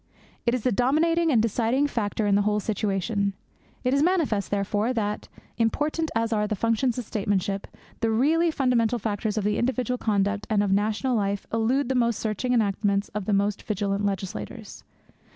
It is the dominating and deciding factor in the whole situation. It is manifest, therefore, that, important as are the functions of statesmanship, the really fundamental factors of individual conduct and of national life elude the most searching enactments of the most vigilant legislators.